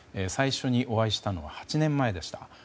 最初にお会いしたのは８年前でした。